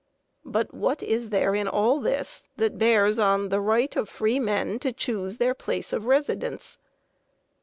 But what is there in all this that bears on the right of free men to choose their place of residence?